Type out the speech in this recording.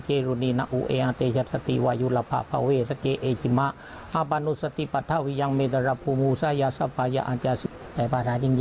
คือเราสวดเชิงแบบนี้